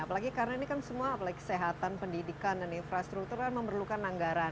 apalagi karena ini kan semua apalagi kesehatan pendidikan dan infrastruktur kan memerlukan anggaran